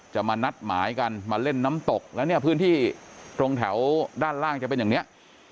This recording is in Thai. จะมานัดหมายกันมาเล่นน้ำตกแล้วเนี่ยพื้นที่ตรงแถวด้านล่างจะเป็นอย่างนี้